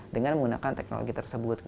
dengan menggunakan teknologi tersebut